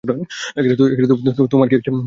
তোমার কী হয়েছে!